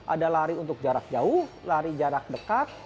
ada lari untuk jarak jauh lari jarak dekat